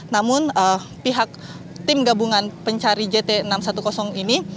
namun pihak tim gabungan pencari jt enam ratus sepuluh ini